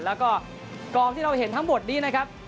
แล้วก็กรองที่เราเห็นทั้งหมดนี้นะครับ